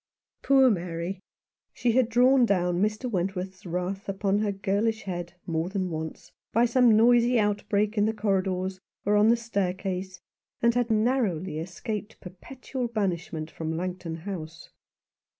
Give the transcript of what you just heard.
Poor Mary! She had drawn down Mr. Went worth's wrath upon her girlish head more than once, by some noisy outbreak in the corridors or on the staircase, and had narrowly escaped perpetual banishment from Langton House.